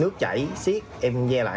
chạy xít em ve lại